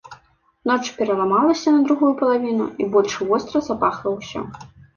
Ноч пераламалася на другую палавіну, і больш востра запахла ўсё.